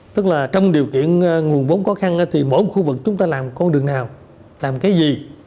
tức là trong điều kiện nguồn vốn khó khăn thì mỗi khu vực chúng ta làm con đường nào làm cái gì